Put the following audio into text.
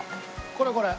これこれ。